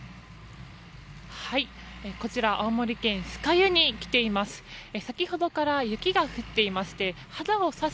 青森県酸ヶ湯に来ています。